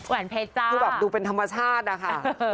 แวนเพชรจ้าคือแบบดูเป็นธรรมชาตินะคะ